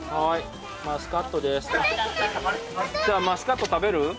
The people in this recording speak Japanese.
マスカット食べる？